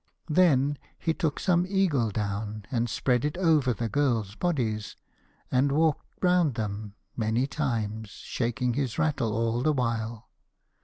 Then he took some eagle down and spread it over the girls' bodies, and walked round them many times, shaking his rattle all the while.